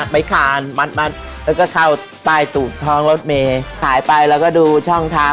ไม้ขานมัดมัดแล้วก็ชายไปเราก็ดูช่องทาง